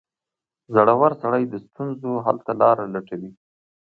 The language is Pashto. • زړور سړی د ستونزو حل ته لاره لټوي.